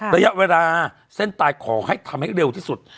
ระยะเวลาเส้นตายขอให้ทำให้เร็วที่สุด